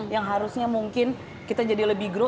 yang harusnya mungkin kita jadi lebih grow